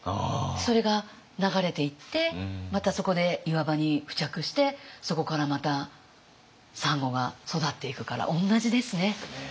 それが流れていってまたそこで岩場に付着してそこからまたサンゴが育っていくから同じですね。